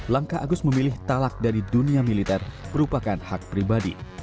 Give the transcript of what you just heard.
langkah agus memilih talak dari dunia militer merupakan hak pribadi